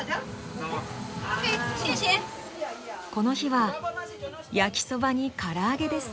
この日は焼きそばにからあげです。